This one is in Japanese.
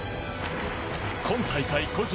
今大会、個人